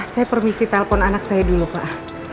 saya permisi telpon anak saya dulu pak